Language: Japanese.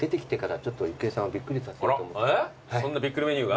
そんなびっくりメニューが？